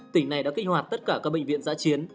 tỉnh này đã kích hoạt tất cả các bệnh viện giã chiến